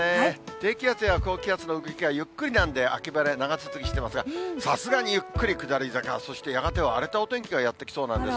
低気圧や高気圧の動きがゆっくりなんで、秋晴れ、長続きしてますが、さすがにゆっくり下り坂、そしてやがては荒れたお天気がやって来そうなんです。